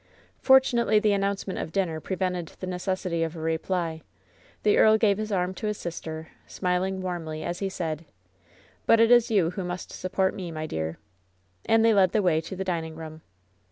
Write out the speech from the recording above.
Fortunately the announcement of dinner prevented the necessity of a reply. The earl gave his arm to his sister, smiling warmly, as he said : "But it is you who must support me, my dear/' And they led the way to the dining room.